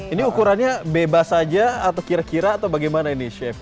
ini ukurannya bebas saja atau kira kira atau bagaimana ini chef